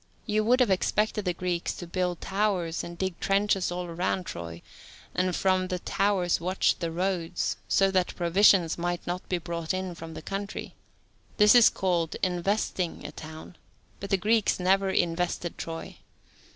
You would have expected the Greeks to build towers and dig trenches all round Troy, and from the towers watch the roads, so that provisions might not be brought in from the country. This is called "investing" a town, but the Greeks never invested Troy.